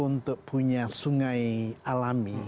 untuk punya sungai alami